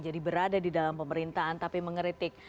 jadi berada di dalam pemerintahan tapi mengeritik